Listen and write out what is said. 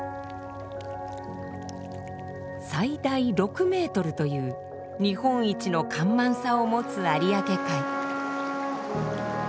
最大６メートルという日本一の干満差を持つ有明海。